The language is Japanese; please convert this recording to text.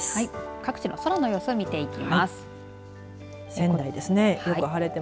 各地の空の予想、見ていきます。